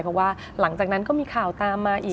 เพราะว่าหลังจากนั้นก็มีข่าวตามมาอีก